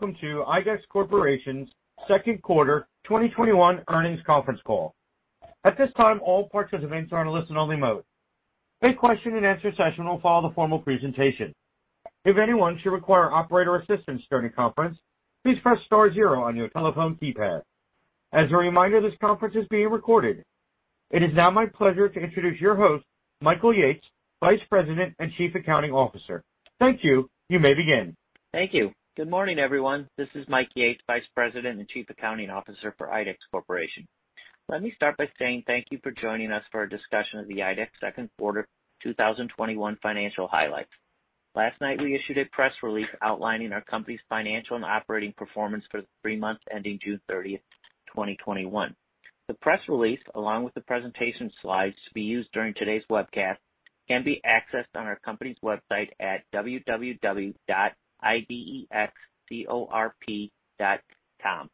Welcome to IDEX Corporation second quarter 2021 earnings conference call. At this time, all participant is listen to only mode. A question-and-answer session follow formal presentation, if anyone require operator assistance during the conference, press star zero on your telephone keypad. As a reminder, this conference is being recorded. It is now my pleasure to introduce your host, Michael Yates, Vice President and Chief Accounting Officer. Thank you. You may begin. Thank you. Good morning, everyone. This is Michael Yates, Vice President and Chief Accounting Officer for IDEX Corporation. Let me start by saying thank you for joining us for a discussion of the IDEX second quarter 2021 financial highlights. Last night, we issued a press release outlining our company's financial and operating performance for the three months ending June 30th, 2021. The press release, along with the presentation slides to be used during today's webcast, can be accessed on our company's website at www.idexcorp.com.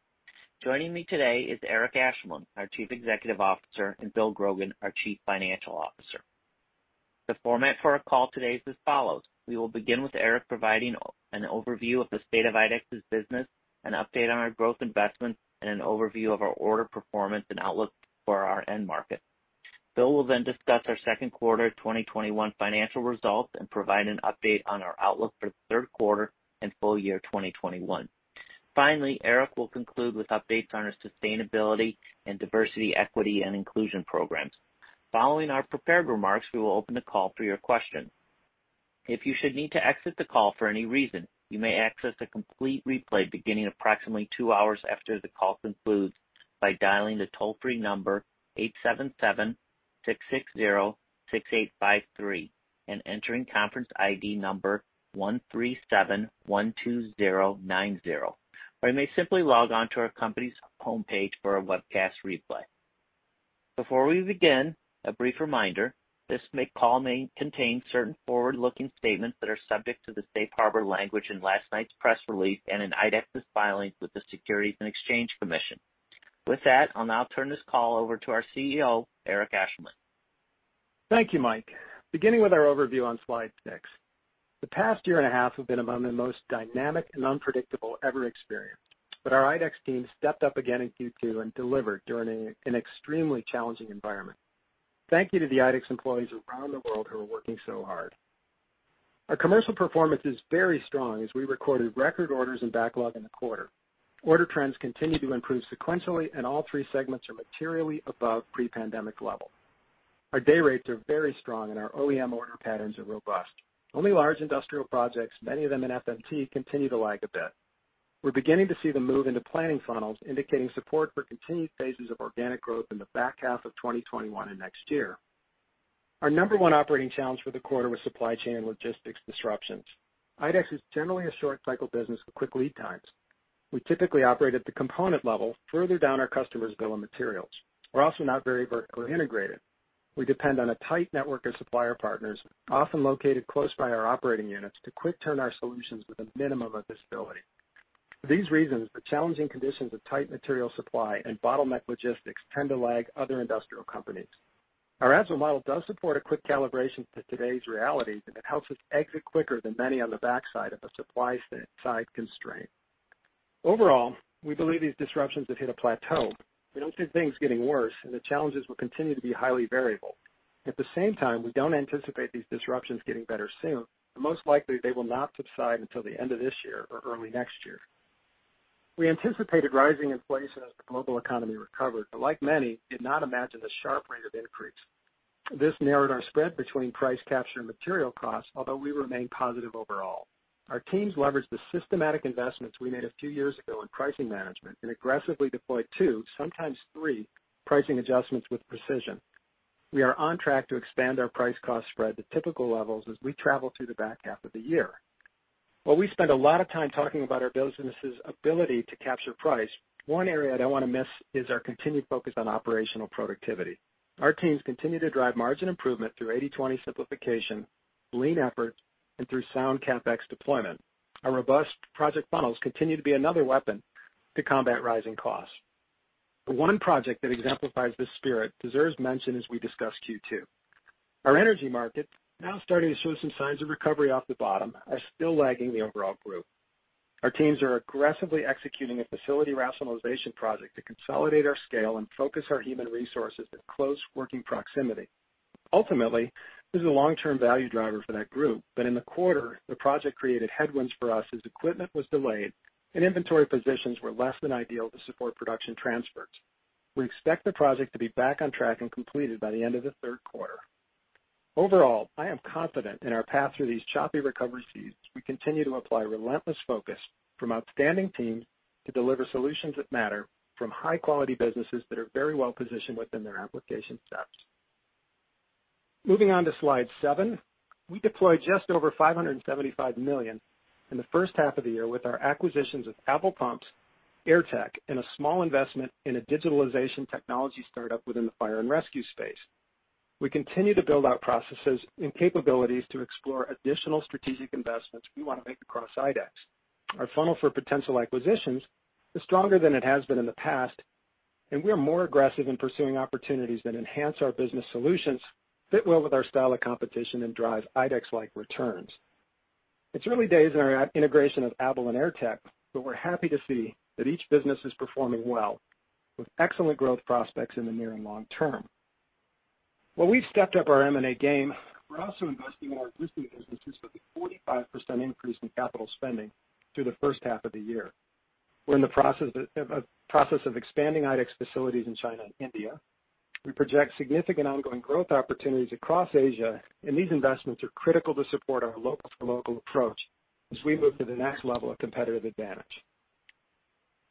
Joining me today is Eric Ashleman, our Chief Executive Officer, and Bill Grogan, our Chief Financial Officer. The format for our call today is as follows. We will begin with Eric providing an overview of the state of IDEX's business, an update on our growth investments, and an overview of our order performance and outlook for our end market. Bill will then discuss our second quarter 2021 financial results and provide an update on our outlook for the third quarter and full year 2021. Finally, Eric will conclude with updates on our sustainability and Diversity, Equity, and Inclusion programs. Following our prepared remarks, we will open the call for your questions. If you should need to exit the call for any reason, you may access a complete replay beginning approximately two hours after the call concludes or you may simply log on to our company's homepage for our webcast replay. Before we begin, a brief reminder, this call may contain certain forward-looking statements that are subject to the safe harbor language in last night's press release and in IDEX's filings with the Securities and Exchange Commission. With that, I'll now turn this call over to our CEO, Eric Ashleman. Thank you, Michael. Beginning with our overview on slide six. The past year and a half have been among the most dynamic and unpredictable ever experienced. Our IDEX team stepped up again in Q2 and delivered during an extremely challenging environment. Thank you to the IDEX employees around the world who are working so hard. Our commercial performance is very strong as we recorded record orders and backlog in the quarter. Order trends continue to improve sequentially. All three segments are materially above the pre-pandemic level. Our day rates are very strong. Our OEM order patterns are robust. Only large industrial projects, many of them in FMT, continue to lag a bit. We're beginning to see them move into planning funnels, indicating support for continued phases of organic growth in the back half of 2021 and next year. Our number one operating challenge for the quarter was supply chain logistics disruptions. IDEX is generally a short cycle business with quick lead times. We typically operate at the component level, further down our customers' bill of materials. We are also not very vertically integrated. We depend on a tight network of supplier partners, often located close by our operating units, to quick turn our solutions with a minimum of visibility. For these reasons, the challenging conditions of tight material supply and bottleneck logistics tend to lag other industrial companies. Our agile model does support a quick calibration to today's reality, and it helps us exit quicker than many on the backside of a supply-side constraint. Overall, we believe these disruptions have hit a plateau. We don't see things getting worse, and the challenges will continue to be highly variable. At the same time, we don't anticipate these disruptions getting better soon, and most likely they will not subside until the end of this year or early next year. We anticipated rising inflation as the global economy recovered, but like many, did not imagine the sharp rate of increase. This narrowed our spread between price capture and material costs, although we remain positive overall. Our teams leveraged the systematic investments we made a few years ago in pricing management and aggressively deployed two, sometimes three, pricing adjustments with precision. We are on track to expand our price cost spread to typical levels as we travel through the back half of the year. While we spend a lot of time talking about our business's ability to capture price, one area I don't want to miss is our continued focus on operational productivity. Our teams continue to drive margin improvement through 80/20 simplification, lean efforts, and through sound CapEx deployment. Our robust project funnels continue to be another weapon to combat rising costs. The one project that exemplifies this spirit deserves mention as we discuss Q2. Our energy market, now starting to show some signs of recovery off the bottom, is still lagging the overall group. Our teams are aggressively executing a facility rationalization project to consolidate our scale and focus our human resources in close working proximity. Ultimately, this is a long-term value driver for that group, but in the quarter, the project created headwinds for us as equipment was delayed and inventory positions were less than ideal to support production transfers. We expect the project to be back on track and completed by the end of the third quarter. Overall, I am confident in our path through these choppy recovery seas as we continue to apply relentless focus from outstanding teams to deliver solutions that matter from high-quality businesses that are very well positioned within their application sets. Moving on to slide seven. We deployed just over $575 million in the first half of the year with our acquisitions of ABEL Pumps, Airtech, and a small investment in a digitalization technology startup within the fire and rescue space. We continue to build out processes and capabilities to explore additional strategic investments we want to make across IDEX. Our funnel for potential acquisitions is stronger than it has been in the past. We are more aggressive in pursuing opportunities that enhance our business solutions, fit well with our style of competition, and drive IDEX-like returns. It's early days in our integration of ABEL and Airtech, and we're happy to see that each business is performing well, with excellent growth prospects in the near and long term. While we've stepped up our M&A game, we're also investing in our existing businesses with a 45% increase in capital spending through the first half of the year. We're in the process of expanding IDEX facilities in China and India. We project significant ongoing growth opportunities across Asia; these investments are critical to support our local-for-local approach as we move to the next level of competitive advantage.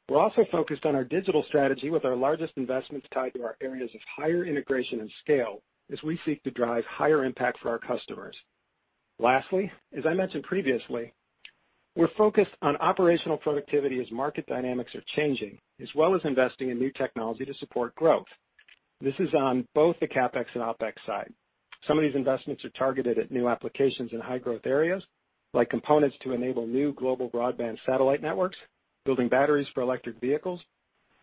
We're also focused on our digital strategy with our largest investments tied to our areas of higher integration and scale as we seek to drive higher impact for our customers. Lastly, as I mentioned previously, we're focused on operational productivity as market dynamics are changing, as well as investing in new technology to support growth. This is on both the CapEx and OpEx side. Some of these investments are targeted at new applications in high-growth areas, like components to enable new global broadband satellite networks, building batteries for electric vehicles,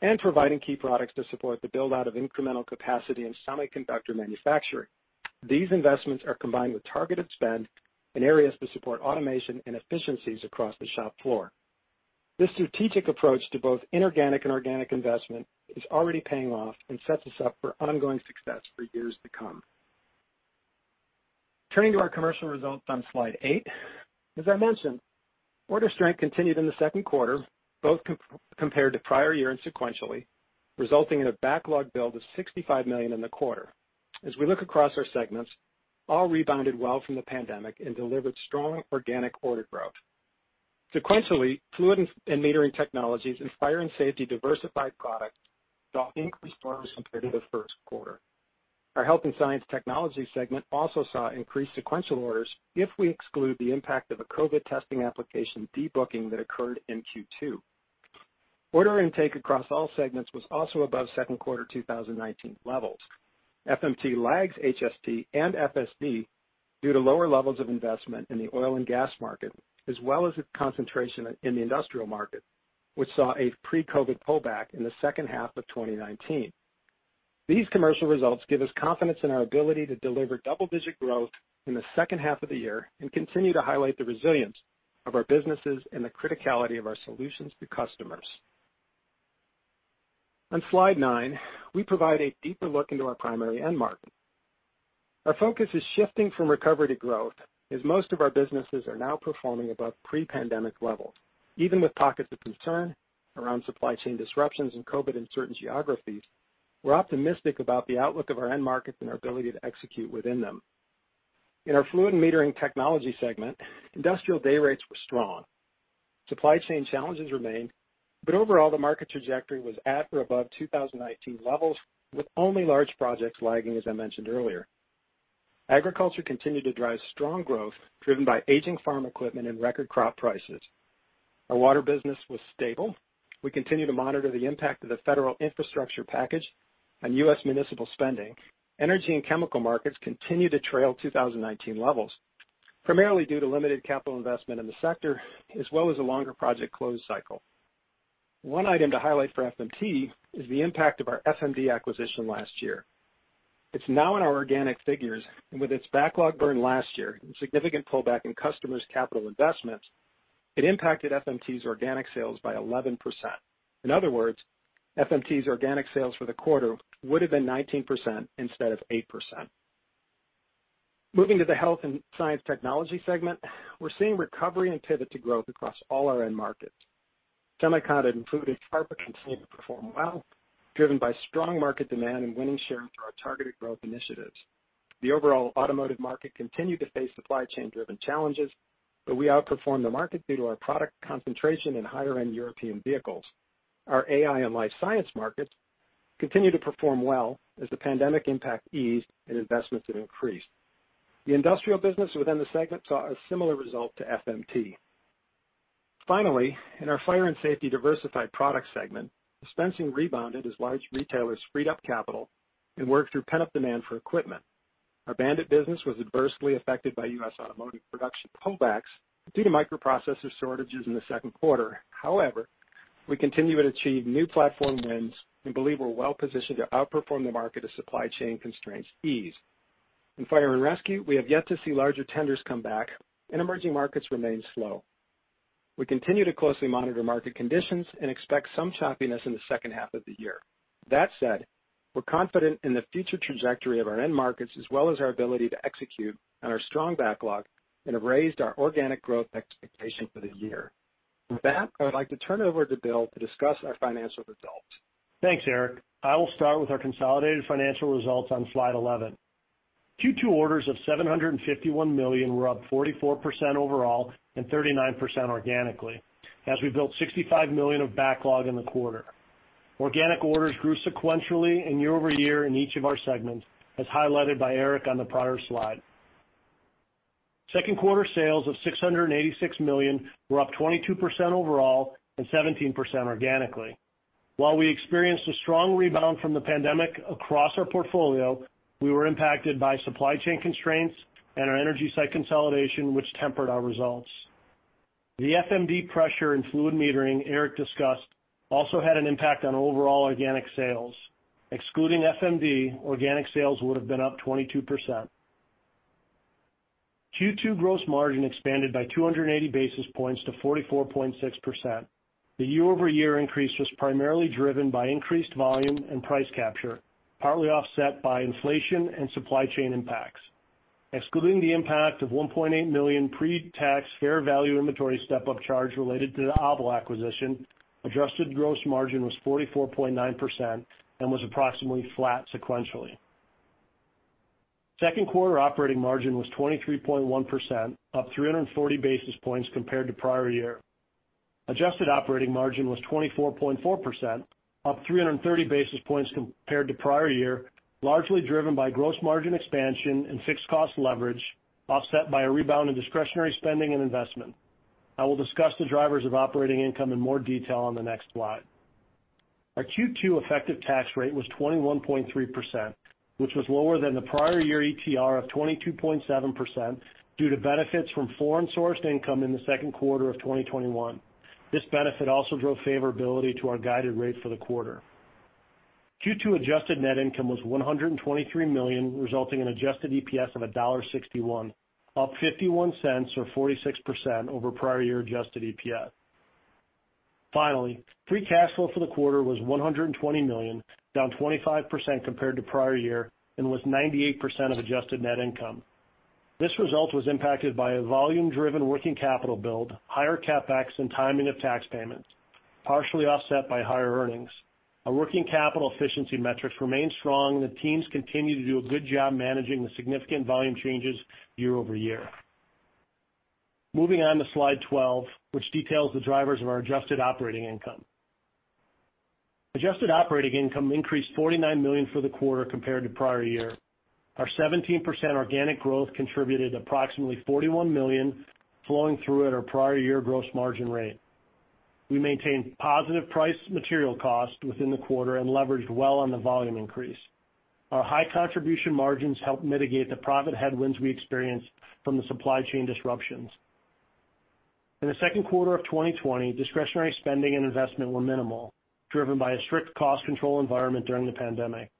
and providing key products to support the build-out of incremental capacity in semiconductor manufacturing. These investments are combined with targeted spend in areas to support automation and efficiencies across the shop floor. This strategic approach to both inorganic and organic investment is already paying off and sets us up for ongoing success for years to come. Turning to our commercial results on slide eight. As I mentioned, order strength continued in the second quarter, both compared to prior year and sequentially, resulting in a backlog build of $65 million in the quarter. As we look across our segments, all rebounded well from the pandemic and delivered strong organic order growth. Sequentially, Fluid and Metering Technologies, Fire and Safety Diversified Products saw increased orders compared to the first quarter. Our Health and Science Technology segment also saw increased sequential orders if we exclude the impact of a COVID testing application de-booking that occurred in Q2. Order intake across all segments was also above second quarter 2019 levels. FMT lags HST and FSD due to lower levels of investment in the oil and gas market, as well as its concentration in the industrial market, which saw a pre-COVID pullback in the second half of 2019. These commercial results give us confidence in our ability to deliver double-digit growth in the second half of the year and continue to highlight the resilience of our businesses and the criticality of our solutions to customers. On slide nine, we provide a deeper look into our primary end market. Our focus is shifting from recovery to growth as most of our businesses are now performing above pre-pandemic levels. Even with pockets of concern around supply chain disruptions and COVID in certain geographies, we're optimistic about the outlook of our end markets and our ability to execute within them. In our fluid metering technology segment, industrial day rates were strong. Overall, the market trajectory was at or above 2019 levels, with only large projects lagging, as I mentioned earlier. Agriculture continued to drive strong growth driven by aging farm equipment and record crop prices. Our water business was stable. We continue to monitor the impact of the federal infrastructure package on U.S. municipal spending. Energy and chemical markets continue to trail 2019 levels, primarily due to limited capital investment in the sector, as well as a longer project close cycle. One item to highlight for FMT is the impact of our FMD acquisition last year. It's now in our organic figures, and with its backlog burn last year and significant pullback in customers' capital investments, it impacted FMT's organic sales by 11%. In other words, FMT's organic sales for the quarter would have been 19% instead of 8%. Moving to the health and science technology segment, we're seeing recovery and a pivot to growth across all our end markets. Semiconductor and fluid care continued to perform well, driven by strong market demand and winning share through our targeted growth initiatives. The overall automotive market continued to face supply chain-driven challenges, but we outperformed the market due to our product concentration in higher-end European vehicles. Our AI and life science markets continue to perform well as the pandemic impact eased, and investments have increased. The industrial business within the segment saw a similar result to FMT. Finally, in our fire and safety diversified products segment, dispensing rebounded as large retailers freed up capital and worked through pent-up demand for equipment. Our BAND-IT business was adversely affected by U.S. automotive production pullbacks due to microprocessor shortages in the second quarter. We continue to achieve new platform wins and believe we're well-positioned to outperform the market as supply chain constraints ease. In fire and rescue, we have yet to see larger tenders come back, and emerging markets remain slow. We continue to closely monitor market conditions and expect some choppiness in the second half of the year. That said, we're confident in the future trajectory of our end markets, as well as our ability to execute on our strong backlog and have raised our organic growth expectation for the year. With that, I would like to turn it over to Bill to discuss our financial results. Thanks, Eric. I will start with our consolidated financial results on slide 11. Q2 orders of $751 million were up 44% overall and 39% organically as we built $65 million of backlog in the quarter. Organic orders grew sequentially and year-over-year in each of our segments, as highlighted by Eric on the prior slide. Second quarter sales of $686 million were up 22% overall and 17% organically. While we experienced a strong rebound from the pandemic across our portfolio, we were impacted by supply chain constraints and our energy site consolidation, which tempered our results. The FMD pressure in fluid metering, Eric discussed, also had an impact on overall organic sales. Excluding FMD, organic sales would have been up 22%. Q2 gross margin expanded by 280 basis points to 44.6%. The year-over-year increase was primarily driven by increased volume and price capture, partly offset by inflation and supply chain impacts. Excluding the impact of $1.8 million pre-tax fair value inventory step-up charge related to the ABEL acquisition, adjusted gross margin was 44.9% and was approximately flat sequentially. Second quarter operating margin was 23.1%, up 340 basis points compared to prior year. Adjusted operating margin was 24.4%, up 330 basis points compared to prior year, largely driven by gross margin expansion and fixed cost leverage, offset by a rebound in discretionary spending and investment. I will discuss the drivers of operating income in more detail on the next slide. Our Q2 effective tax rate was 21.3%, which was lower than the prior year ETR of 22.7% due to benefits from foreign-sourced income in the second quarter of 2021. This benefit also drove favorability to our guided rate for the quarter. Q2 adjusted net income was $123 million, resulting in Adjusted EPS of $1.61, up $0.51 or 46% over the prior year Adjusted EPS. Finally, free cash flow for the quarter was $120 million, down 25% compared to prior year, and was 98% of adjusted net income. This result was impacted by a volume-driven working capital build, higher CapEx, and timing of tax payments, partially offset by higher earnings. Our working capital efficiency metrics remain strong, and the teams continue to do a good job managing the significant volume changes year-over-year. Moving on to slide 12, which details the drivers of our adjusted operating income. Adjusted operating income increased $49 million for the quarter compared to prior year. Our 17% organic growth contributed approximately $41 million, flowing through at our prior year gross margin rate. We maintained positive price material cost within the quarter and leveraged well on the volume increase. Our high contribution margins helped mitigate the profit headwinds we experienced from the supply chain disruptions. In the second quarter of 2020, discretionary spending and investment were minimal, driven by a strict cost control environment during the pandemic.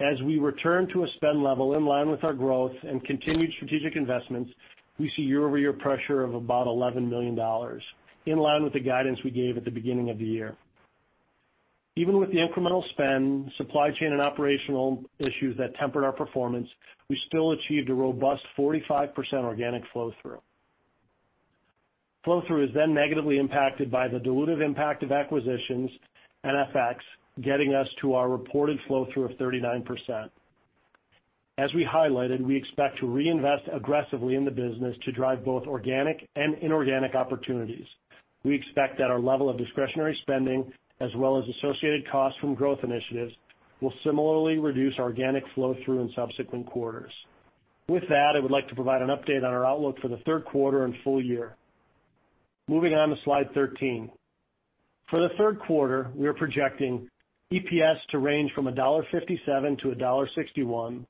As we return to a spend level in line with our growth and continued strategic investments, we see year-over-year pressure of about $11 million, in line with the guidance we gave at the beginning of the year. Even with the incremental spend, supply chain, and operational issues that tempered our performance, we still achieved a robust 45% organic flow-through. Flow-through is then negatively impacted by the dilutive impact of acquisitions and FX, getting us to our reported flow-through of 39%. As we highlighted, we expect to reinvest aggressively in the business to drive both organic and inorganic opportunities. We expect that our level of discretionary spending, as well as associated costs from growth initiatives, will similarly reduce organic flow-through in subsequent quarters. With that, I would like to provide an update on our outlook for the third quarter and full year. Moving on to slide 13. For the third quarter, we are projecting EPS to range from $1.57-$1.61.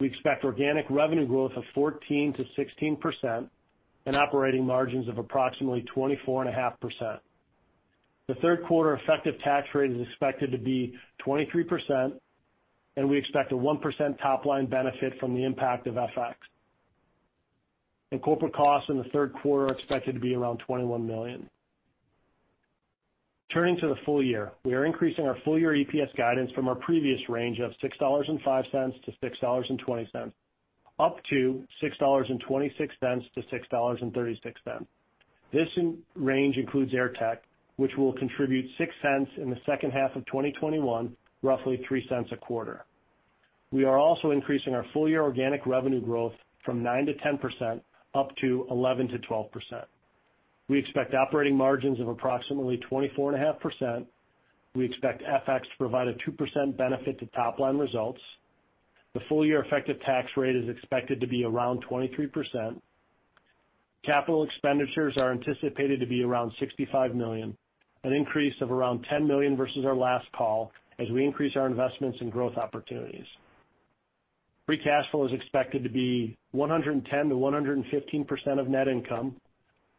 We expect organic revenue growth of 14%-16% and operating margins of approximately 24.5%. The third quarter effective tax rate is expected to be 23%, we expect a 1% top-line benefit from the impact of FX. Corporate costs in the third quarter are expected to be around $21 million. Turning to the full year. We are increasing our full-year EPS guidance from our previous range of $6.05-$6.20, up to $6.26-$6.36. This range includes Airtech, which will contribute $0.06 in the second half of 2021, roughly $0.03 a quarter. We are also increasing our full-year organic revenue growth from 9%-10%, up to 11%-12%. We expect operating margins of approximately 24.5%. We expect FX to provide a 2% benefit to top-line results. The full-year effective tax rate is expected to be around 23%. Capital expenditures are anticipated to be around $65 million, an increase of around $10 million versus our last call as we increase our investments in growth opportunities. Free cash flow is expected to be 110%-115% of net income,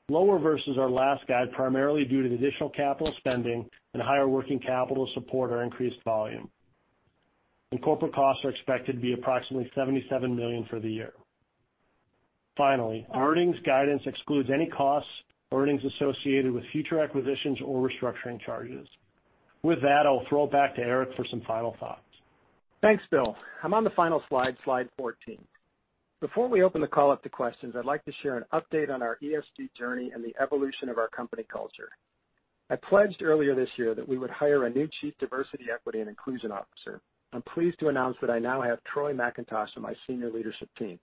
lower versus our last guide, primarily due to the additional capital spending and higher working capital to support our increased volume. Corporate costs are expected to be approximately $77 million for the year. Finally, our earnings guidance excludes any costs or earnings associated with future acquisitions or restructuring charges. With that, I'll throw it back to Eric for some final thoughts. Thanks, Bill. I'm on the final slide 14. Before we open the call up to questions, I'd like to share an update on our ESG journey and the evolution of our company culture. I pledged earlier this year that we would hire a new Chief Diversity, Equity, and Inclusion Officer. I'm pleased to announce that I now have Troy McIntosh on my senior leadership team.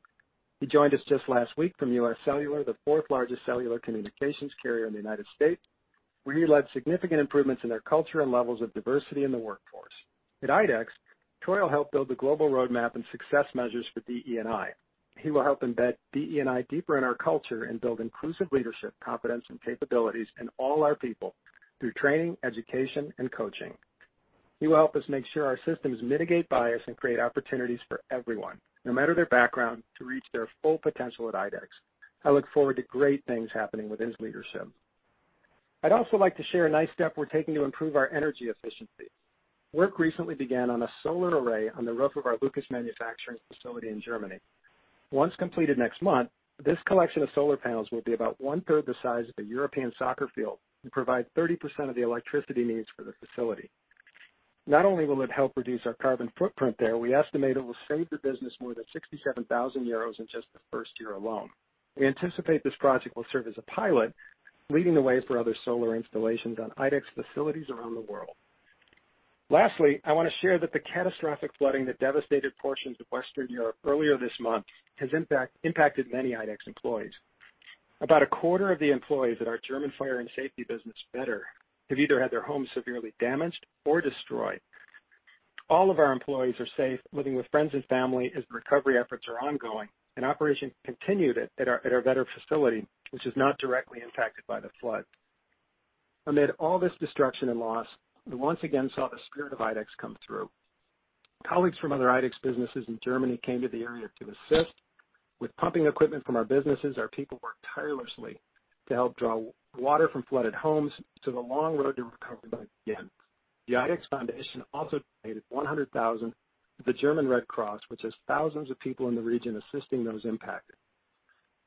He joined us just last week from U.S. Cellular, the fourth largest cellular communications carrier in the United States, where he led significant improvements in their culture and levels of diversity in the workforce. At IDEX, Troy will help build the global roadmap and success measures for DE&I. He will help embed DE&I deeper in our culture and build inclusive leadership competence and capabilities in all our people through training, education, and coaching. He will help us make sure our systems mitigate bias and create opportunities for everyone, no matter their background, to reach their full potential at IDEX. I look forward to great things happening with his leadership. I'd also like to share a nice step we're taking to improve our energy efficiency. Work recently began on a solar array on the roof of our LUKAS manufacturing facility in Germany. Once completed next month, this collection of solar panels will be about one-third the size of a European soccer field and provide 30% of the electricity needs for the facility. Not only will it help reduce our carbon footprint there, we estimate it will save the business more than 67,000 euros in just the first year alone. We anticipate this project will serve as a pilot, leading the way for other solar installations on IDEX facilities around the world. Lastly, I want to share that the catastrophic flooding that devastated portions of Western Europe earlier this month has impacted many IDEX employees. About a quarter of the employees at our German fire and safety business, Vetter, have either had their homes severely damaged or destroyed. All of our employees are safe, living with friends and family as recovery efforts are ongoing, and operations continued at our Vetter facility, which is not directly impacted by the flood. Amid all this destruction and loss, we once again saw the spirit of IDEX come through. Colleagues from other IDEX businesses in Germany came to the area to assist. With pumping equipment from our businesses, our people worked tirelessly to help draw water from flooded homes to the long road to recovery begin. The IDEX Foundation also donated $100,000 to the German Red Cross, which has thousands of people in the region assisting those impacted.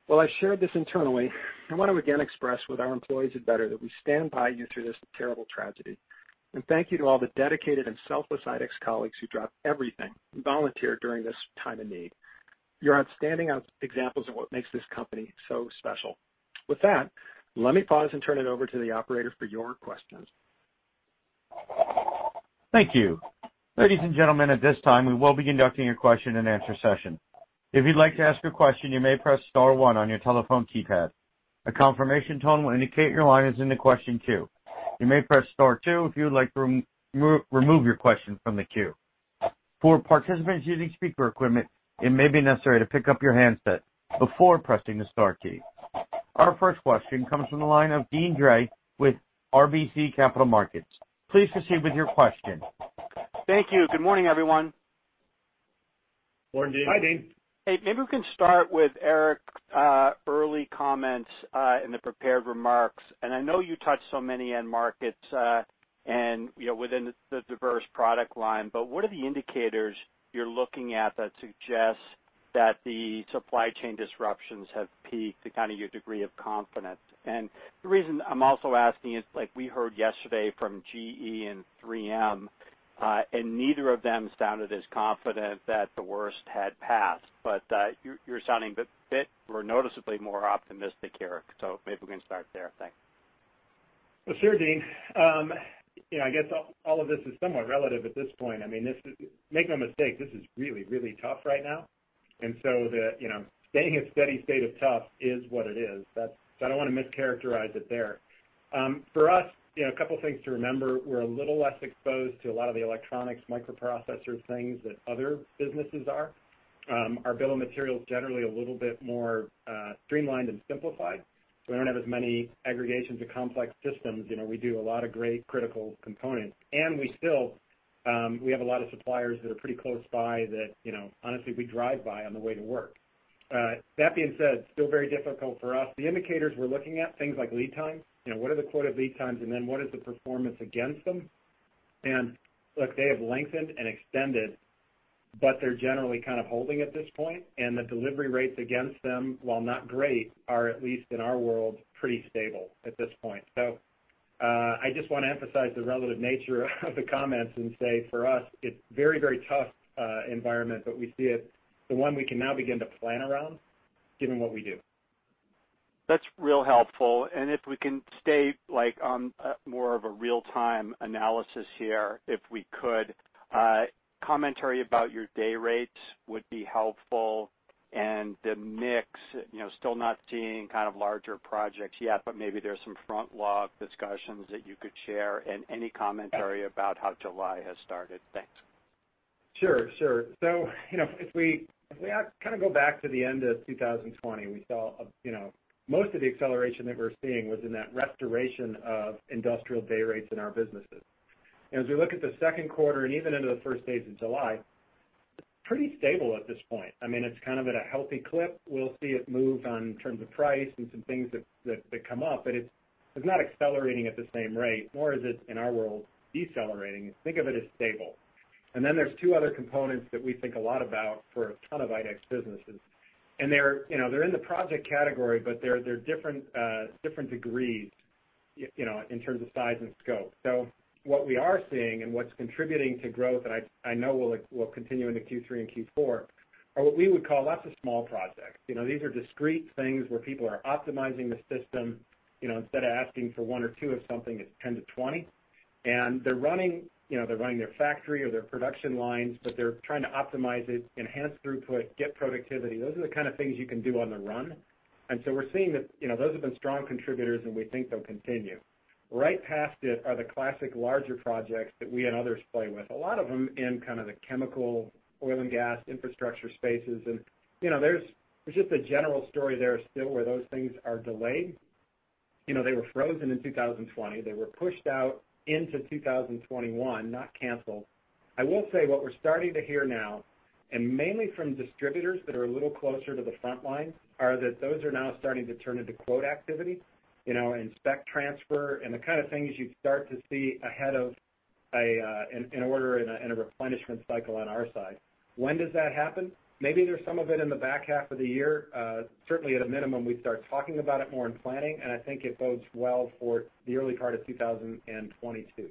While I shared this internally, I want to again express with our employees at Vetter that we stand by you through this terrible tragedy. Thank you to all the dedicated and selfless IDEX colleagues who dropped everything and volunteered during this time of need. You're outstanding examples of what makes this company so special. With that, let me pause and turn it over to the operator for your questions. Thank you. Ladies and gentlemen, at this time, we will be conducting a question-and-answer session. If you'd like to ask a question, you may press star one on your telephone keypad. A confirmation tone will indicate your line is in the question queue. You may press star two if you would like to remove your question from the queue. For participants using speaker equipment, it may be necessary to pick up your handset before pressing the star key. Our first question comes from the line of Deane Dray with RBC Capital Markets. Please proceed with your question. Thank you. Good morning, everyone. Morning, Deane. Hi, Deane. Hey, maybe we can start with Eric. Early comments in the prepared remarks. I know you touched so many end markets within the diverse product line, but what are the indicators you're looking at that suggest that the supply chain disruptions have peaked to kind of your degree of confidence? The reason I'm also asking is, we heard yesterday from GE and 3M, and neither of them sounded as confident that the worst had passed, but you're sounding a bit more noticeably more optimistic, Eric. Maybe we can start there. Thanks. Sure, Deane. I guess all of this is somewhat relative at this point. Make no mistake, this is really, really tough right now. Staying a steady state of tough is what it is. I don't want to mischaracterize it there. For us, two things to remember. We're a little less exposed to a lot of the electronics microprocessor things that other businesses are. Our bill of materials is generally a little bit more streamlined and simplified, so we don't have as many aggregations of complex systems. We do a lot of great critical components, and we have a lot of suppliers that are pretty close by that, honestly, we drive by on the way to work. That being said, still very difficult for us. The indicators we're looking at, things like lead time. What are the quoted lead times, and then what is the performance against them? Look, they have lengthened and extended, but they're generally kind of holding at this point, and the delivery rates against them, while not great, are at least in our world, pretty stable at this point. I just want to emphasize the relative nature of the comments and say, for us, it's very, very tough environment, but we see it the one we can now begin to plan around given what we do. That's real helpful. If we can stay on more of a real-time analysis here, if we could, commentary about your day rates would be helpful and the mix. Still not seeing kind of larger projects yet, maybe there's some front log discussions that you could share, and any commentary about how July has started. Thanks. Sure. If we kind of go back to the end of 2020, we saw most of the acceleration that we were seeing was in that restoration of industrial day rates in our businesses. As we look at the second quarter and even into the first days of July, pretty stable at this point. It's kind of at a healthy clip. We'll see it move on in terms of price and some things that come up, but it's not accelerating at the same rate, nor is it, in our world, decelerating. Think of it as stable. Then there's two other components that we think a lot about for a ton of IDEX businesses, and they're in the project category, but they're different degrees in terms of size and scope. What we are seeing and what's contributing to growth, and I know will continue into Q3 and Q4, are what we would call lots of small projects. These are discrete things where people are optimizing the system. Instead of asking for one or two of something, it's 10 to 20. They're running their factory or their production lines, but they're trying to optimize it, enhance throughput, and get productivity. Those are the kind of things you can do on the run. We're seeing that those have been strong contributors, and we think they'll continue. Right past it is the classic larger projects that we and others play with, a lot of them in kind of the chemical oil and gas infrastructure spaces. There's just a general story there still where those things are delayed. They were frozen in 2020. They were pushed out into 2021, not canceled. I will say what we're starting to hear now, and mainly from distributors that are a little closer to the front line, are that those are now starting to turn into quote activity, spec transfer, and the kind of things you'd start to see ahead of an order and a replenishment cycle on our side. When does that happen? Maybe there's some of it in the back half of the year. Certainly at a minimum, we start talking about it more in planning, and I think it bodes well for the early part of 2022.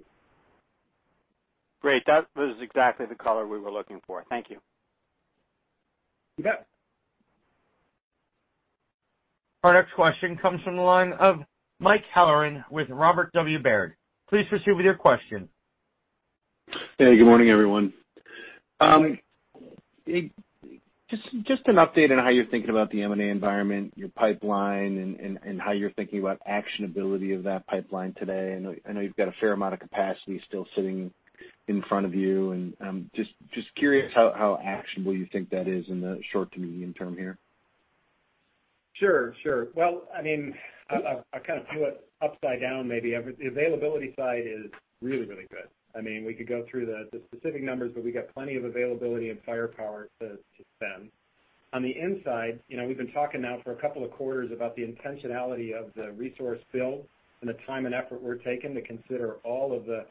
Great. That was exactly the color we were looking for. Thank you. You bet. Our next question comes from the line of Mike Halloran with Baird. Please proceed with your question. Hey, good morning, everyone. Just an update on how you're thinking about the M&A environment, your pipeline, and how you're thinking about actionability of that pipeline today. I know you've got a fair amount of capacity still sitting in front of you, and I'm just curious how actionable you think that is in the short to medium term here. Sure. Well, I kind of view it upside down, maybe. The availability side is really, really good. We could go through the specific numbers, but we got plenty of availability and firepower to spend. On the inside, we've been talking now for a couple of quarters about the intentionality of the resource build and the time and effort we're taking to consider all of the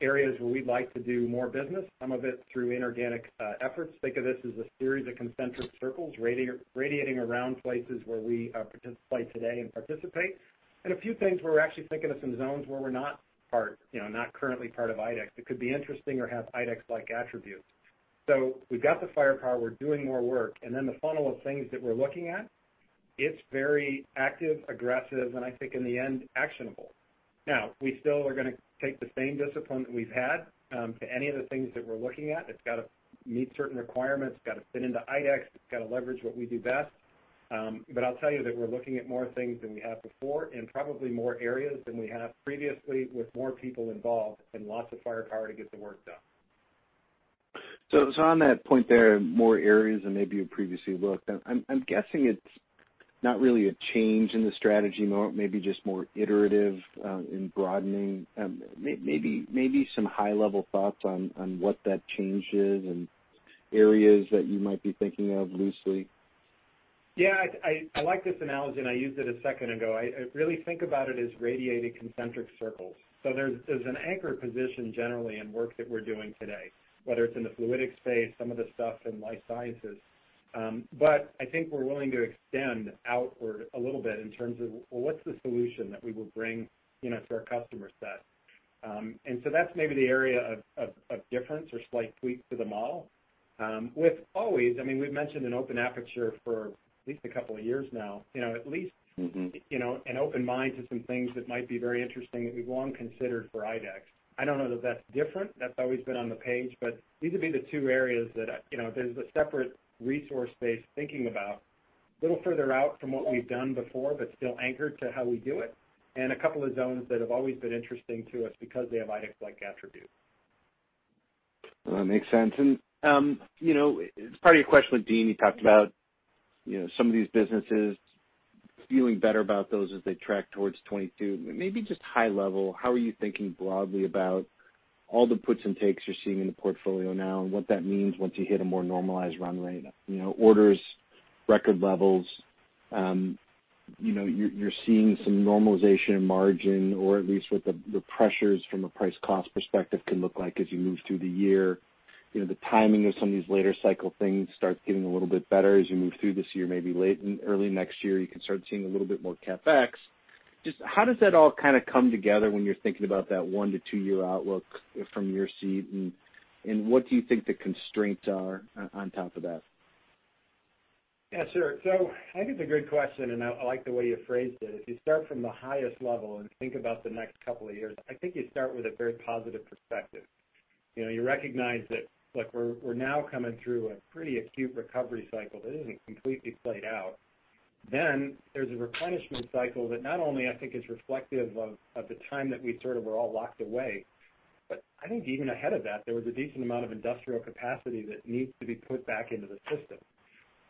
areas where we'd like to do more business, some of it through inorganic efforts. Think of this as a series of concentric circles radiating around places where we participate today and participate. A few things we're actually thinking of some zones where we're not currently part of IDEX. It could be interesting or have IDEX-like attributes. We've got the firepower, we're doing more work, and then the funnel of things that we're looking at, it's very active, aggressive, and I think in the end, actionable. Now, we still are going to take the same discipline that we've had to any of the things that we're looking at. It's got to meet certain requirements, got to fit into IDEX, it's got to leverage what we do best. I'll tell you that we're looking at more things than we have before, and probably more areas than we have previously, with more people involved and lots of firepower to get the work done. On that point there, more areas than maybe you previously looked. I'm guessing it's not really a change in the strategy, maybe just more iterative in broadening. Maybe some high-level thoughts on what that change is and areas that you might be thinking of loosely. Yeah. I like this analogy, and I used it a second ago. There's an anchor position generally in work that we're doing today, whether it's in the fluidic space, some of the stuff in life sciences. I think we're willing to extend outward a little bit in terms of what's the solution that we will bring to our customer set. That's maybe the area of difference or slight tweak to the model. With always, we've mentioned an open aperture for at least a couple of years now. At least an open mind to some things that might be very interesting that we've long considered for IDEX. I don't know that that's different. That's always been on the page, but these would be the two areas that there's a separate resource base thinking about, a little further out from what we've done before, but still anchored to how we do it, and a couple of zones that have always been interesting to us because they have IDEX-like attributes. That makes sense. It's probably a question with Deane Dray, you talked about some of these businesses, feeling better about those as they track towards 2022. Maybe just high level, how are you thinking broadly about all the puts and takes you're seeing in the portfolio now and what that means once you hit a more normalized run rate? Orders, record levels. You're seeing some normalization in margin, or at least what the pressures from a price cost perspective can look like as you move through the year. The timing of some of these later cycle things starts getting a little bit better as you move through this year, maybe early next year, you can start seeing a little bit more CapEx. Just how does that all kind of come together when you're thinking about that one to two-year outlook from your seat, and what do you think the constraints are on top of that? Yeah, sure. I think it's a good question, and I like the way you phrased it. If you start from the highest level and think about the next couple of years, I think you start with a very positive perspective. You recognize that we're now coming through a pretty acute recovery cycle that isn't completely played out. There's a replenishment cycle that not only I think is reflective of the time that we sort of were all locked away, but I think even ahead of that, there was a decent amount of industrial capacity that needs to be put back into the system.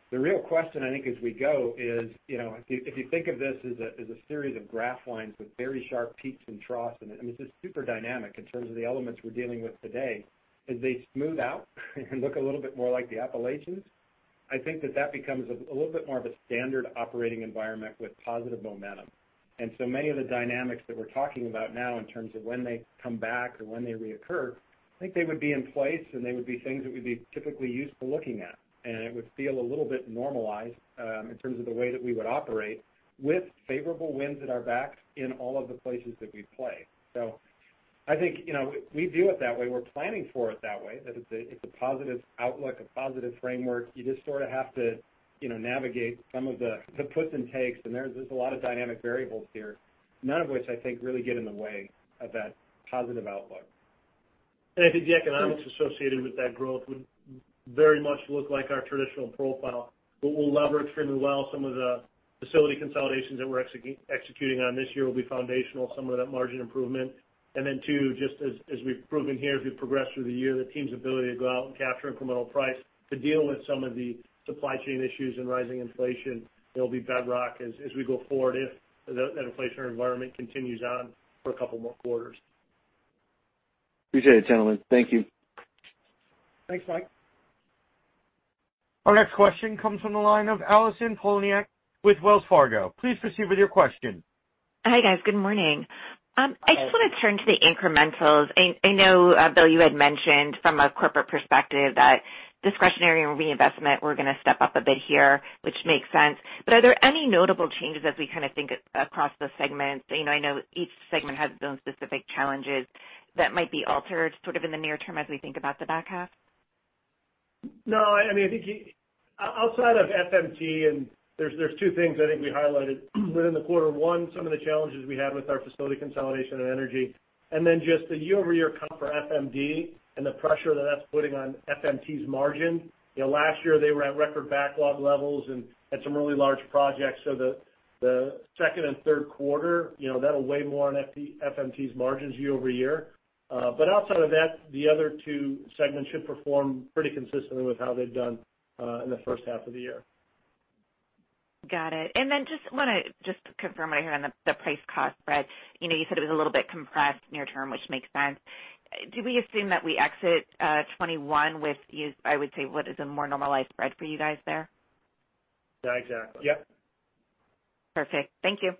The real question, I think, as we go is, if you think of this as a series of graph lines with very sharp peaks and troughs, and this is super dynamic in terms of the elements we're dealing with today, as they smooth out and look a little bit more like the Appalachians, I think that that becomes a little bit more of a standard operating environment with positive momentum. So many of the dynamics that we're talking about now in terms of when they come back or when they reoccur, I think they would be in place, and they would be things that we'd be typically used to looking at, and it would feel a little bit normalized in terms of the way that we would operate with favorable winds at our backs in all of the places that we play. I think we view it that way. We're planning for it that way, that it's a positive outlook, a positive framework. You just sort of have to navigate some of the puts and takes. There's a lot of dynamic variables here, none of which I think really get in the way of that positive outlook. I think the economics associated with that growth would very much look like our traditional profile, but we'll lever extremely well some of the facility consolidations that we're executing on this year will be foundational, some of that margin improvement. Then two, just as we've proven here, as we progress through the year, the team's ability to go out and capture incremental price to deal with some of the supply chain issues and rising inflation, they'll be bedrock as we go forward if that inflationary environment continues on for a couple more quarters. Appreciate it, gentlemen. Thank you. Thanks, Mike. Our next question comes from the line of Allison Poliniak-Cusic with Wells Fargo. Please proceed with your question. Hi, guys. Good morning. I just want to turn to the incrementals. I know, Bill, you had mentioned from a corporate perspective that discretionary reinvestment was going to step up a bit here, which makes sense. Are there any notable changes as we think across those segments? I know each segment has its own specific challenges that might be altered sort of in the near term, as we think about the back half. I think outside of FMT, there's two things I think we highlighted within the quarter. One, some of the challenges we had with our facility consolidation and energy, just the year-over-year comp for Flow MD, and the pressure that that's putting on FMT's margin. Last year, they were at record backlog levels and had some really large projects. The second and third quarter, that'll weigh more on FMT's margins year-over-year. Outside of that, the other two segments should perform pretty consistently with how they've done in the first half of the year. Got it. Just want to just confirm right here on the price-cost spread. You said it was a little bit compressed near term, which makes sense. Do we assume that we exit 2021 with, I would say, what is a more normalized spread for you guys there? Yeah, exactly. Yep. Perfect. Thank you.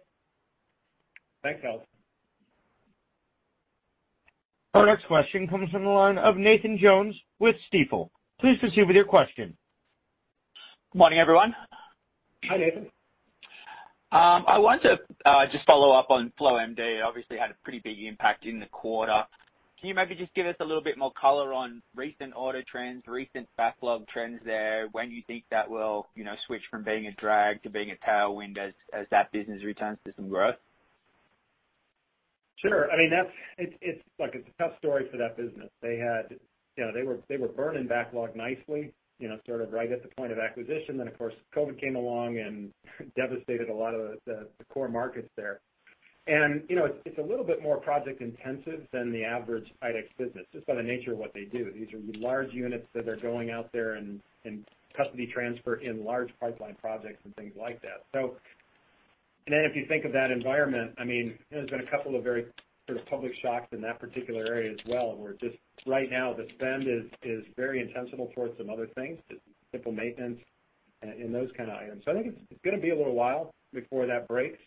Thanks, Allison. Our next question comes from the line of Nathan Jones with Stifel. Please proceed with your question. Good morning, everyone. Hi, Nathan. I want to just follow up on Flow MD. It obviously had a pretty big impact in the quarter. Can you maybe just give us a little bit more color on recent order trends, recent backlog trends there, when you think that will switch from being a drag to being a tailwind as that business returns to some growth? Sure. Look, it's a tough story for that business. They were burning backlog nicely, sort of right at the point of acquisition, then, of course, COVID came along and devastated a lot of the core markets there. It's a little bit more project-intensive than the average IDEX business, just by the nature of what they do. These are large units that are going out there for custody transfer in large pipeline projects and things like that. If you think of that environment, there's been a couple of very sorts of public shocks in that particular area as well, where just right now the spend is very intensive towards some other things, just simple maintenance and those kinds of items. I think it's going to be a little while before that break.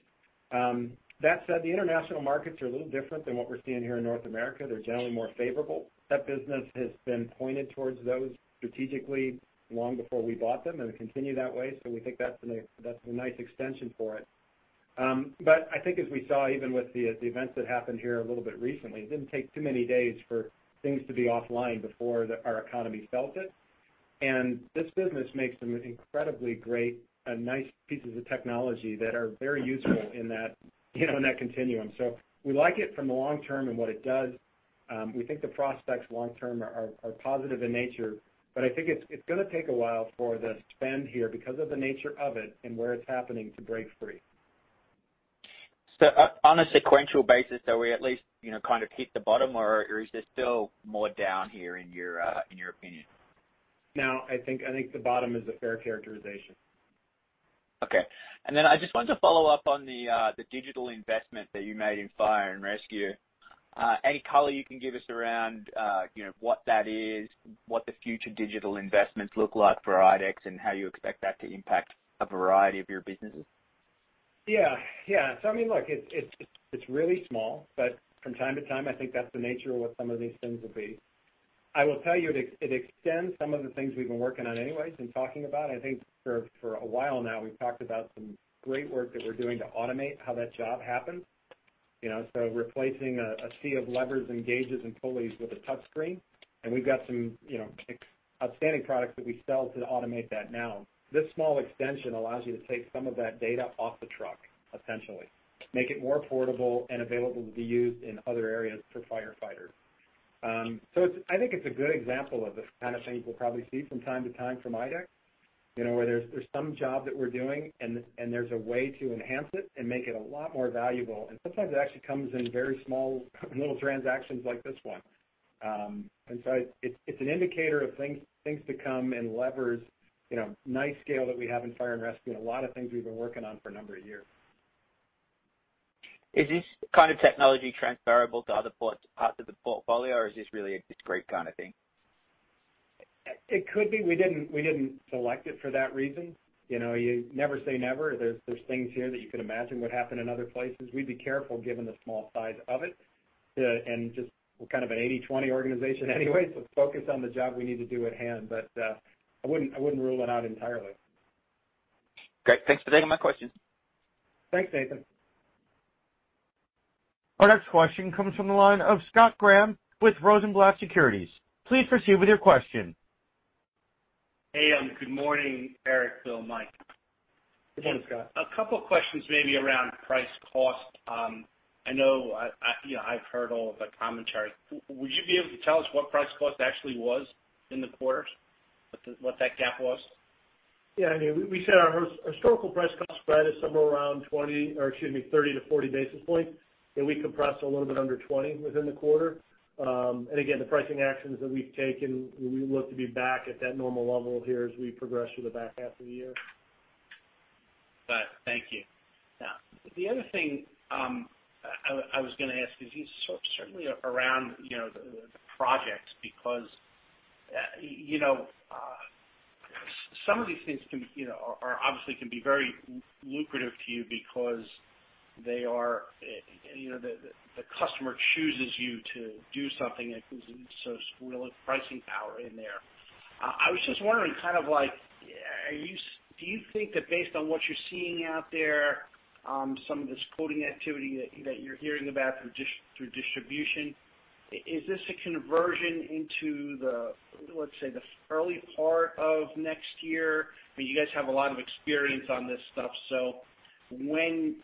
That said, the international markets are a little different than what we're seeing here in North America. They're generally more favorable. That business has been pointed towards those strategically long before we bought them and continue that way. We think that's a nice extension for it. I think as we saw, even with the events that happened here a little bit recently, it didn't take too many days for things to be offline before our economy felt it. This business makes some incredibly great, nice pieces of technology that are very useful in that continuum. We like it from the long term and what it does. We think the prospects long term are positive in nature, but I think it's going to take a while for the spend here because of the nature of it and where it's happening to break free. On a sequential basis, are we at least kind of hit the bottom, or is there still more down here in your opinion? No, I think the bottom is a fair characterization. Okay. I just wanted to follow up on the digital investment that you made in fire and rescue. Any color you can give us around what that is, what the future digital investments look like for IDEX, and how you expect that to impact a variety of your businesses? Yeah. Look, it's really small, but from time to time, I think that's the nature of what some of these things will be. I will tell you, it extends some of the things we've been working on anyways and talking about. I think for a while now, we've talked about some great work that we're doing to automate how that job happens. Replacing a sea of levers and gauges and pulleys with a touch screen, and we've got some outstanding products that we sell to automate that now. This small extension allows you to take some of that data off the truck, essentially, make it more affordable and available to be used in other areas for firefighters. I think it's a good example of the kind of thing you'll probably see from time to time from IDEX, where there's some job that we're doing, and there's a way to enhance it and make it a lot more valuable. Sometimes it actually comes in very small little transactions like this one. It's an indicator of things to come and levers, nice scale that we have in fire and rescue, and a lot of things we've been working on for a number of years. Is this kind of technology transferable to other parts of the portfolio, or is this really a discrete kind of thing? It could be. We didn't select it for that reason. You never say never. There's things here that you could imagine would happen in other places. We'd be careful given the small size of it, and just we're kind of an 80/20 organization anyway, so focus on the job we need to do at hand. I wouldn't rule it out entirely. Great. Thanks for taking my questions. Thanks, Nathan. Our next question comes from the line of Scott Graham with Rosenblatt Securities. Please proceed with your question. Hey, good morning, Eric, Bill, Mike. Good morning, Scott. A couple questions maybe around price cost. I know I've heard all the commentary. Would you be able to tell us what price cost actually was in the quarter, what that gap was? Yeah. We said our historical price cost spread is somewhere around 20, or excuse me, 30 to 40 basis points, and we compressed a little bit under 20 within the quarter. Again, the pricing actions that we've taken, we look to be back at that normal level here as we progress through the back half of the year. Thank you. The other thing I was going to ask is certainly around the projects, because some of these things obviously can be very lucrative to you because the customer chooses you to do something and so pricing power in there. I was just wondering, do you think that based on what you're seeing out there, some of this quoting activity that you're hearing about through distribution, is this a conversion into the, let's say, the early part of next year? You guys have a lot of experience on this stuff. When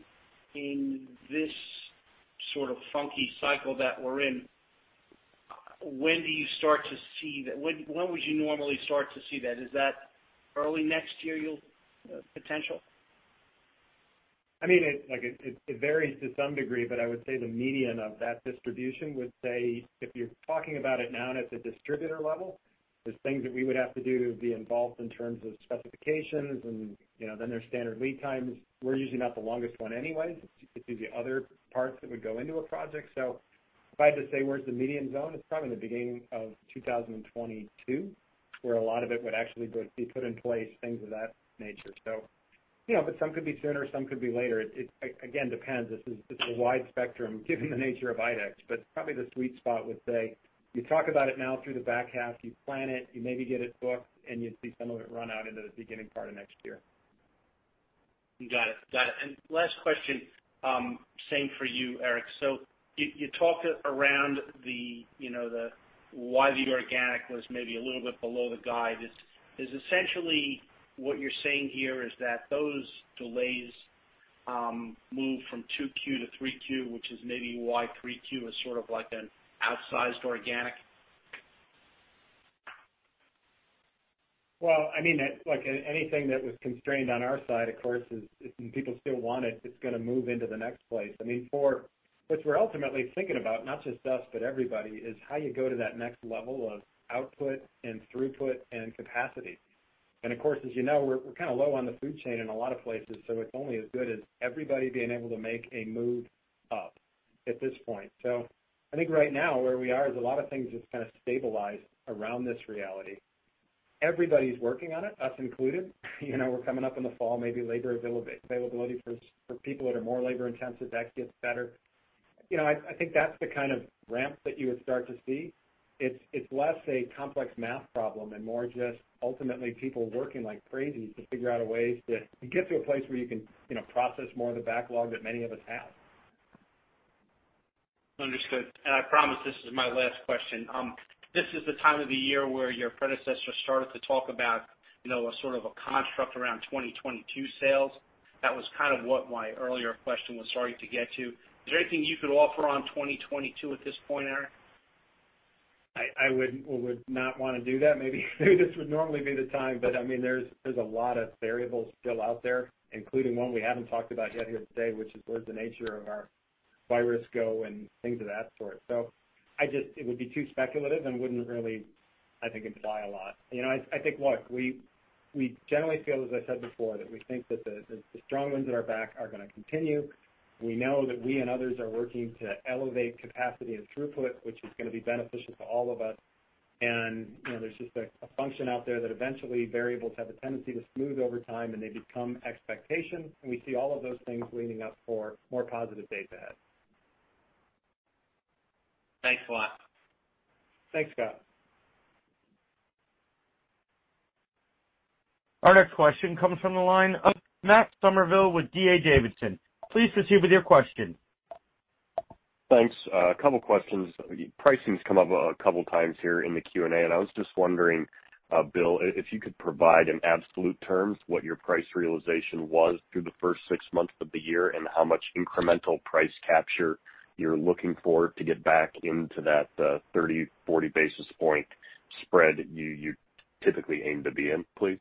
in this sort of funky cycle that we're in, when would you normally start to see that? Is that early next year potential? It varies to some degree. I would say the median of that distribution would say, if you're talking about it now and at the distributor level, there's things that we would have to do to be involved in terms of specifications and then there's standard lead times. We're usually not the longest one anyway. It'd be the other parts that would go into a project. If I had to say, where's the median zone, it's probably in the beginning of 2022, where a lot of it would actually be put in place, things of that nature. Some could be sooner, some could be later. It, again, depends. It's a wide spectrum given the nature of IDEX. Probably the sweet spot would say you talk about it now through the back half, you plan it, you maybe get it booked, and you'd see some of it run out into the beginning part of next year. Got it. Last question, same for you, Eric. You talked about why the organic was maybe a little bit below the guide. Is essentially, what you're saying here is that those delays moved from 2Q to 3Q, which is maybe why 3Q is sort of like an outsized organic? Well, anything that was constrained on our side, of course, if people still want it's going to move into the next place. What we're ultimately thinking about, not just us, but everybody, is how you go to that next level of output and throughput and capacity. Of course, as you know, we're kind of low on the food chain in a lot of places, so it's only as good as everybody being able to make a move up at this point. I think right now, where we are is a lot of things have kind of stabilized around this reality. Everybody's working on it, us included. We're coming up in the fall, maybe labor availability for people that are more labor intensive, that gets better. I think that's the kind of ramp that you would start to see. It's less a complex math problem and more just ultimately people working like crazy to figure out ways to get to a place where you can process more of the backlog that many of us have. Understood. I promise this is my last question. This is the time of the year where your predecessor started to talk about a sort of a construct around 2022 sales. That was kind of what my earlier question was starting to get to. Is there anything you could offer on 2022 at this point, Eric? I would not want to do that. Maybe this would normally be the time, but there's a lot of variables still out there, including one we haven't talked about yet here today, which is where's the nature of our virus go and things of that sort. It would be too speculative and wouldn't really, I think, imply a lot. I think, look, we generally feel, as I said before, that we think that the strong winds at our back are going to continue. We know that we and others are working to elevate capacity and throughput, which is going to be beneficial to all of us. There's just a function out there that eventually variables have a tendency to smooth over time, and they become expectations, and we see all of those things leading up for more positive days ahead. Thanks a lot. Thanks, Scott. Our next question comes from the line of Matt Summerville with D.A. Davidson. Please proceed with your question. Thanks. A couple of questions. Pricing's come up a couple times here in the Q&A, and I was just wondering, Bill, if you could provide in absolute terms what your price realization was through the first six months of the year and how much incremental price capture you're looking for to get back into that 30, 40 basis point spread you typically aim to be in, please?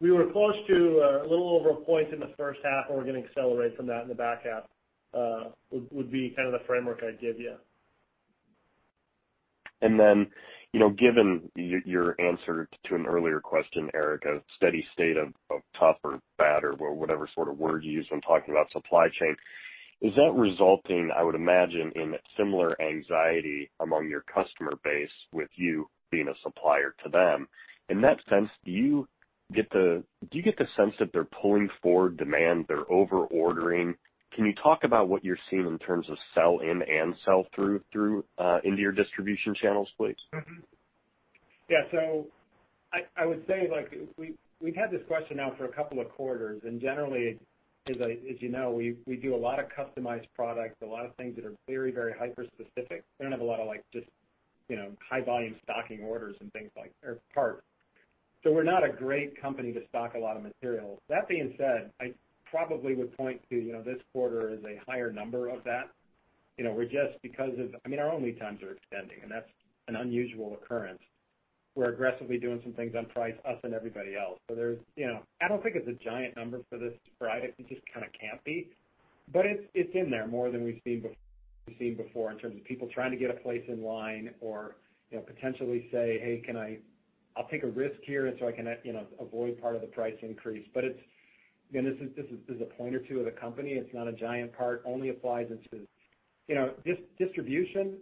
We were close to a little over a point in the first half, and we're going to accelerate from that in the back half, would be kind of the framework I'd give you. Given your answer to an earlier question, Eric, a steady state of tough or bad or whatever sort of word you use when talking about supply chain, is that resulting, I would imagine, in similar anxiety among your customer base with you being a supplier to them? In that sense, do you get the sense that they're pulling forward demand, they're over-ordering? Can you talk about what you're seeing in terms of sell-in and sell-through into your distribution channels, please? Yeah. I would say we've had this question now for a couple of quarters. Generally, as you know, we do a lot of customized products, a lot of things that are very, very hyper-specific. We don't have a lot of just high volume stocking orders or parts. We're not a great company to stock a lot of materials. That being said, I probably would point to this quarter as a higher number of that. Our own lead times are extending. That's an unusual occurrence. We're aggressively doing some things on price, us and everybody else. I don't think it's a giant number for IDEX, it just kind of can't be. It's in there more than we've seen before in terms of people trying to get a place in line or potentially say, "Hey, I'll take a risk here, I can avoid part of the price increase." This is a point or two of the company. It's not a giant part, only applies into distribution.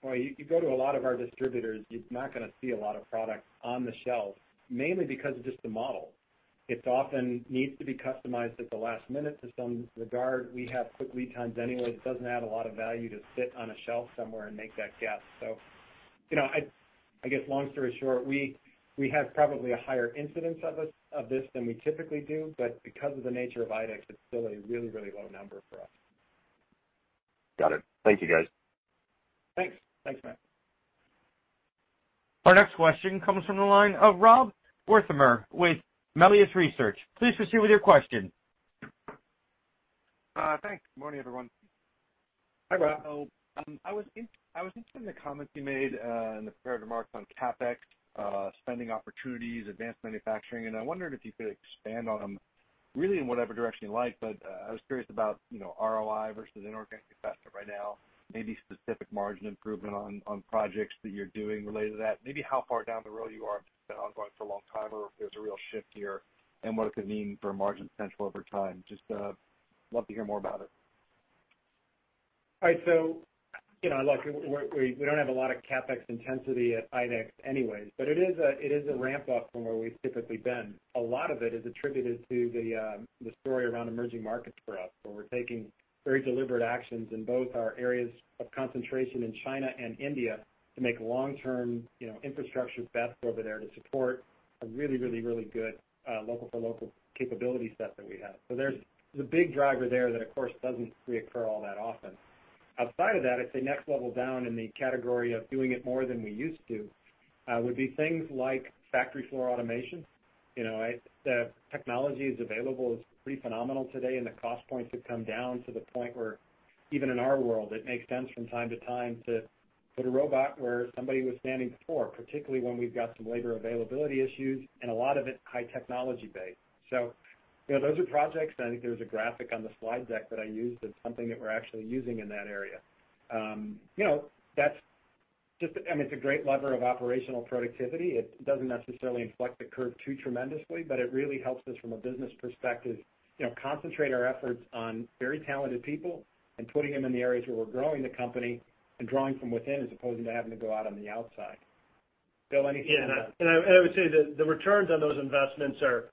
Well, you go to a lot of our distributors, you're not going to see a lot of product on the shelf, mainly because of just the model. It often needs to be customized at the last minute to some regard. We have quick lead times anyway. It doesn't add a lot of value to sit on a shelf somewhere and make that guess. I guess long story short, we have probably a higher incidence of this than we typically do, but because of the nature of IDEX, it's still a really low number for us. Got it. Thank you, guys. Thanks. Thanks, Matt. Our next question comes from the line of Rob Wertheimer with Melius Research. Please proceed with your question. Thanks. Good morning, everyone. Hi, Rob. I was interested in the comments you made in the prepared remarks on CapEx, spending opportunities, advanced manufacturing, and I wondered if you could expand on them really in whatever direction you like. I was curious about ROI versus inorganic investment right now. Maybe specific margin improvement on projects that you're doing related to that. Maybe how far down the road you are, has been ongoing for a long time, or if there's a real shift here and what it could mean for margin potential over time. Just love to hear more about it. All right. Look, we don't have a lot of CapEx intensity at IDEX anyways, but it is a ramp-up from where we've typically been. A lot of it is attributed to the story around emerging markets for us, where we're taking very deliberate actions in both our areas of concentration in China and India to make long-term infrastructure bets over there to support a really good local-for-local capability set that we have. There's the big driver there that, of course, doesn't reoccur all that often. Outside of that, I'd say next level down in the category of doing it more than we used to, would be things like factory floor automation. The technologies available is pretty phenomenal today, and the cost points have come down to the point where even in our world, it makes sense from time to time to put a robot where somebody was standing before, particularly when we've got some labor availability issues, and a lot of it high technology based. Those are projects, and I think there's a graphic on the slide deck that I used of something that we're actually using in that area. It's a great lever of operational productivity. It doesn't necessarily inflect the curve too tremendously, but it really helps us from a business perspective, concentrate our efforts on very talented people and putting them in the areas where we're growing the company and drawing from within as opposed to having to go out on the outside. Bill, anything to? I would say the returns on those investments are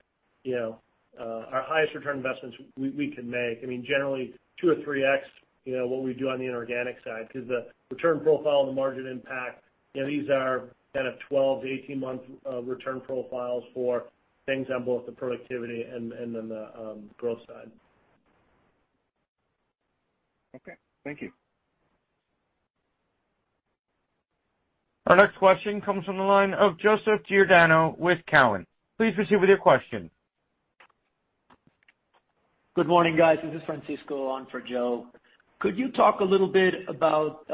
highest return investments we can make. Generally, 2x or 3x what we do on the inorganic side, because the return profile and the margin impact, these are kind of 12–18-month return profiles for things on both the productivity and then the growth side. Okay. Thank you. Our next question comes from the line of Joseph Giordano with Cowen. Please proceed with your question. Good morning, guys. This is Francisco on for Joe. Could you talk a little bit about,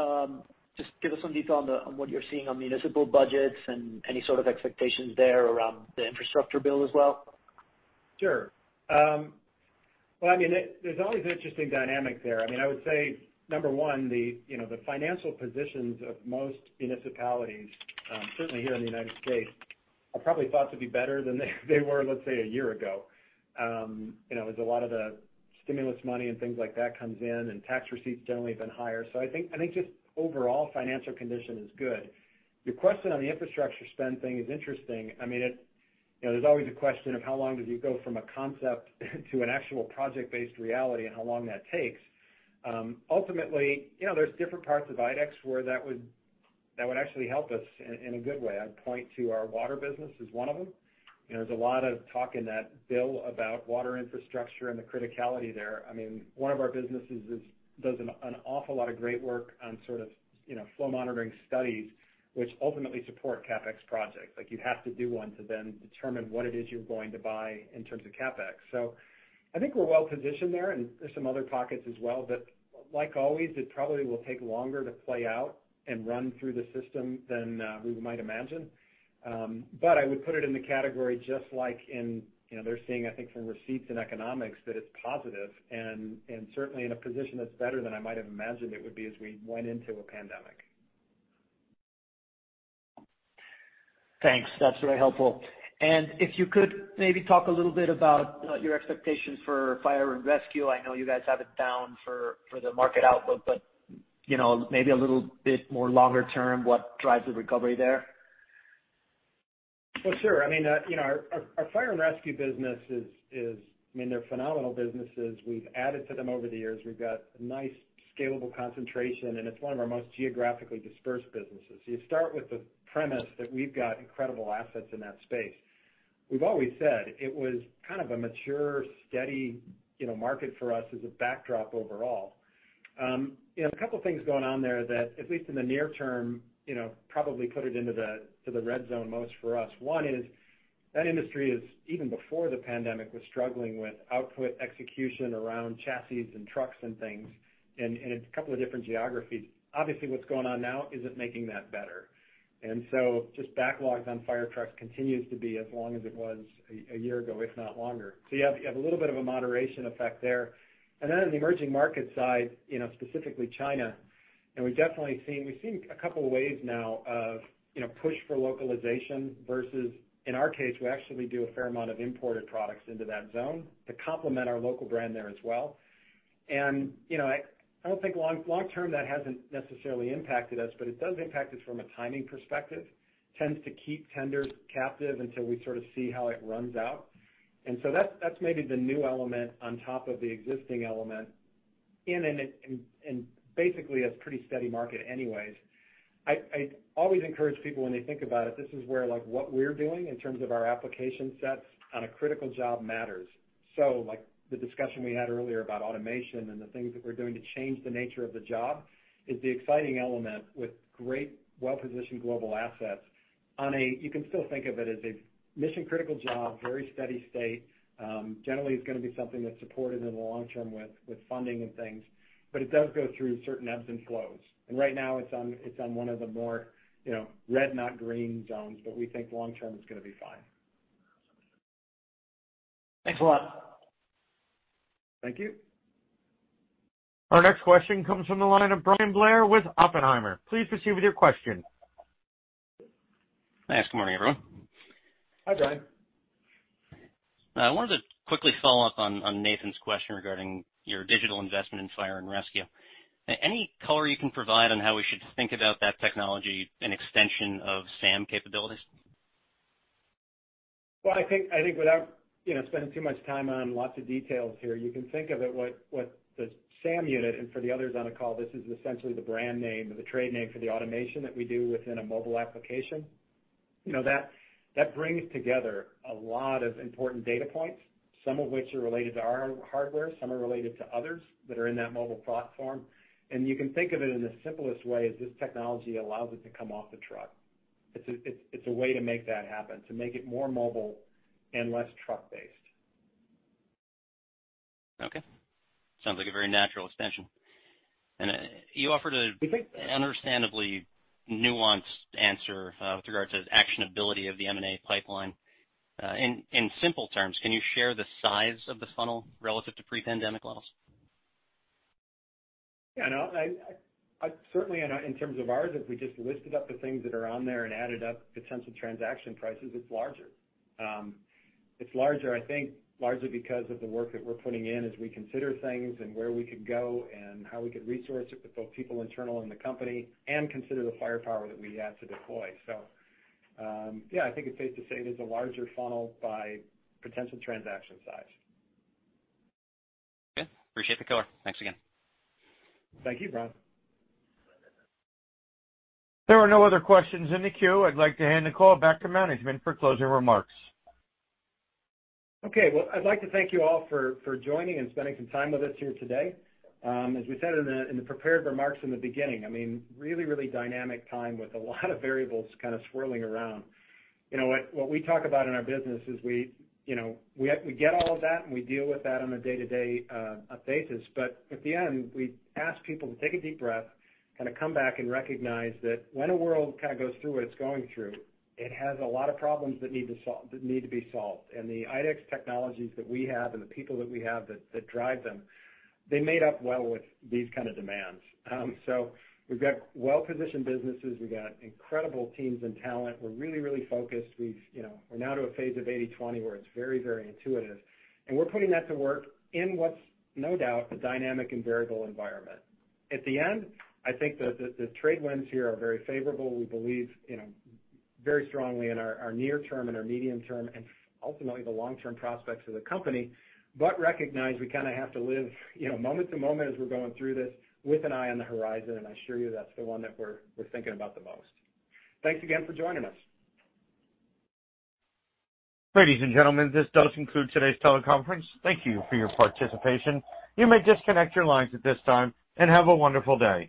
just give us some detail on what you're seeing on municipal budgets and any sort of expectations there around the Infrastructure Bill as well? Sure. There's always an interesting dynamic there. I would say, number one, the financial positions of most municipalities, certainly here in the U.S., are probably thought to be better than they were, let's say, one year ago. As a lot of the stimulus money and things like that comes in, and tax receipts generally have been higher. I think just overall financial condition is good. Your question on the infrastructure spend thing is interesting. There's always a question of how long does it go from a concept to an actual project-based reality, and how long that takes. Ultimately, there's different parts of IDEX where that would actually help us in a good way. I'd point to our water business as one of them. There's a lot of talk in that bill about water infrastructure and the criticality there. One of our businesses does an awful lot of great work on sort of flow monitoring studies, which ultimately support CapEx projects. Like you'd have to do one to then determine what it is you're going to buy in terms of CapEx. I think we're well-positioned there, and there's some other pockets as well. Like always, it probably will take longer to play out and run through the system than we might imagine. I would put it in the category, just like in they're seeing, I think, from receipts and economics, that it's positive and certainly in a position that's better than I might have imagined it would be as we went into a pandemic. Thanks. That's very helpful. If you could maybe talk a little bit about your expectations for fire and rescue. I know you guys have it down for the market outlook, but maybe a little bit more longer term, what drives the recovery there? Well, sure. Our fire and rescue businesses, they're phenomenal businesses. We've added to them over the years. We've got a nice scalable concentration, and it's one of our most geographically dispersed businesses. You start with the premise that we've got incredible assets in that space. We've always said it was kind of a mature, steady market for us as a backdrop overall. A couple of things going on there that, at least in the near term, probably put it into the red zone most for us. One is that industry is, even before the pandemic, was struggling with output execution around chassis and trucks and things in a couple of different geographies. Obviously, what's going on now isn't making that better. Just backlogs on fire trucks continues to be as long as it was a year ago, if not longer. You have a little bit of a moderation effect there. On the emerging market side, specifically China, and we've seen a couple of waves now of push for localization versus, in our case, we actually do a fair amount of imported products into that zone to complement our local brand there as well. I don't think long term, that hasn't necessarily impacted us, but it does impact us from a timing perspective. Tends to keep tenders captive until we sort of see how it runs out. That's maybe the new element on top of the existing element in basically a pretty steady market anyways. I always encourage people when they think about it, this is where what we're doing in terms of our application sets on a critical job matters. Like the discussion we had earlier about automation and the things that we're doing to change the nature of the job is the exciting element with great, well-positioned global assets, you can still think of it as a mission-critical job, very steady state. Generally, it's going to be something that's supported in the long term with funding and things, but it does go through certain ebbs and flows. Right now, it's on one of the more red, not green zones, but we think long term it's going to be fine. Thanks a lot. Thank you. Our next question comes from the line of Bryan Blair with Oppenheimer. Please proceed with your question. Thanks. Good morning, everyone. Hi, Bryan. I wanted to quickly follow up on Nathan's question regarding your digital investment in fire and rescue. Any color you can provide on how we should think about that technology in extension of SAM capabilities? Well, I think without spending too much time on lots of details here, you can think of it what the SAM unit, and for the others on the call, this is essentially the brand name or the trade name for the automation that we do within a mobile application. That brings together a lot of important data points, some of which are related to our hardware, some are related to others that are in that mobile platform. You can think of it in the simplest way as this technology allows it to come off the truck. It's a way to make that happen, to make it more mobile and less truck based. Okay. Sounds like a very natural extension. You offered a understandably nuanced answer with regards to actionability of the M&A pipeline. In simple terms, can you share the size of this funnel relative to pre-pandemic levels? Yeah. Certainly, in terms of ours, if we just listed up the things that are on there and added up potential transaction prices, it's larger. It's larger, I think, largely because of the work that we're putting in as we consider things and where we could go and how we could resource it with both people internal in the company and consider the firepower that we have to deploy. Yeah, I think it's safe to say there's a larger funnel by potential transaction size. Okay. Appreciate the color. Thanks again. Thank you, Bryan. There are no other questions in the queue. I'd like to hand the call back to management for closing remarks. Well, I'd like to thank you all for joining and spending some time with us here today. As we said in the prepared remarks in the beginning, really, really dynamic time with a lot of variables kind of swirling around. What we talk about in our business is we get all of that, and we deal with that on a day-to-day basis. At the end, we ask people to take a deep breath, kind of come back, and recognize that when a world kind of goes through what it's going through, it has a lot of problems that need to be solved. The IDEX technologies that we have and the people that we have that drive them, they made up well with these kinds of demands. We've got well-positioned businesses. We've got incredible teams and talent. We're really, really focused. We're now in a phase of 80/20 where it's very, very intuitive, and we're putting that to work in what's no doubt a dynamic and variable environment. At the end, I think the trade winds here are very favorable. We believe very strongly in our near term and our medium term and ultimately the long-term prospects of the company. Recognize we kind of have to live moment to moment as we're going through this with an eye on the horizon, and I assure you, that's the one that we're thinking about the most. Thanks again for joining us. Ladies and gentlemen, this does conclude today's teleconference. Thank you for your participation. You may disconnect your lines at this time, and have a wonderful day.